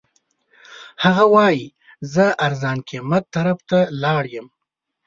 هغه وایي زه ارزان قیمت طرف ته لاړ یم.